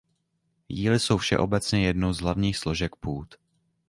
Jíly jsou všeobecně jednou z hlavních složek půd.